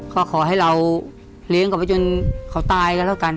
ก็ขอให้เราเลี้ยงเขาไปจนเขาตายกันแล้วกัน